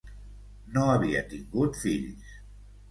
No havia tingut fills.